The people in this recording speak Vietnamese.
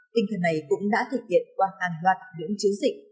tinh thần này cũng đã thực hiện qua hàng loạt những chứng dịch